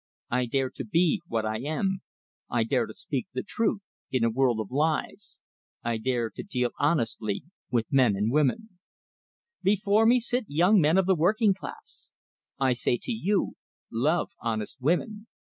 I dare to be what I am. I dare to speak truth in a world of lies. I dare to deal honestly with men and women. "Before me sit young men of the working class. I say to you: Love honest women.